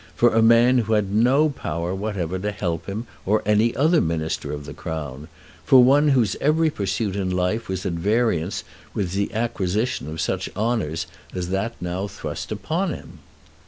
For a man who had no power whatever to help him or any other Minister of the Crown; for one whose every pursuit in life was at variance with the acquisition of such honours as that now thrust upon him!